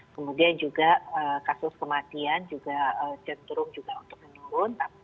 kemudian juga kasus kematian juga cenderung juga untuk menurun